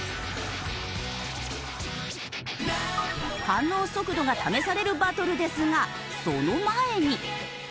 反応速度が試されるバトルですがその前に。